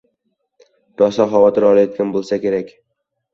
Rosa xavotir olayotgan boʻlsa kerak.